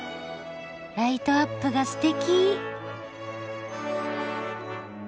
ライトアップがすてき。